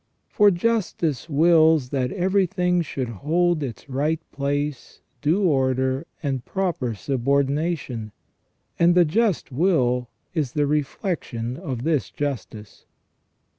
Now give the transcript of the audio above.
For justice wills that everything should hold its right place, due order, and proper subordination. And the just will is the reflection of this justice.